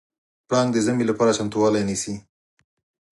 پړانګ د ژمي لپاره چمتووالی نیسي.